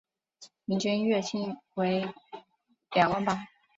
平均月薪为两万八